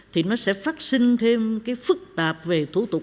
thì nó sẽ phát sinh thêm cái phức tạp về thủ tục